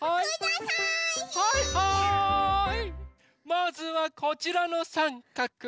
まずはこちらのさんかく！